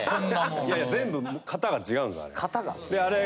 いやいや全部型が違うんですよあれ。